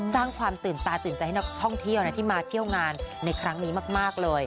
สร้างความตื่นตาตื่นใจให้นักท่องเที่ยวที่มาเที่ยวงานในครั้งนี้มากเลย